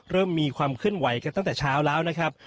เริ่มมีความขึ้นไหวตั้งแต่เช้าแล้วนะครับ